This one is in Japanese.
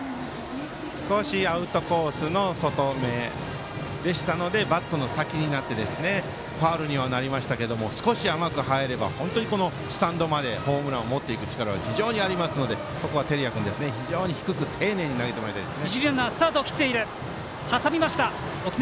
少しアウトコースの外めでしたのでバットの先になってファウルにはなりましたけど少し甘く入ればスタンドまでホームランを持っていく力はありますので照屋君、低く丁寧に投げてもらいたいです。